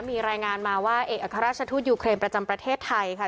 มีรายงานมาว่าเอกอัครราชทูตยูเครนประจำประเทศไทยค่ะ